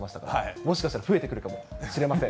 もしかしたら増えてくるかもしれません。